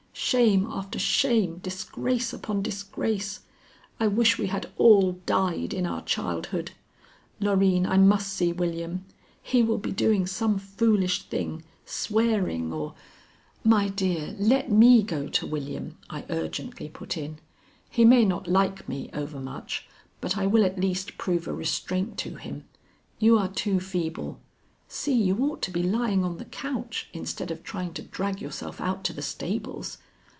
"Shame after shame, disgrace upon disgrace! I wish we had all died in our childhood. Loreen, I must see William. He will be doing some foolish thing, swearing or " "My dear, let me go to William," I urgently put in. "He may not like me overmuch, but I will at least prove a restraint to him. You are too feeble. See, you ought to be lying on the couch instead of trying to drag yourself out to the stables."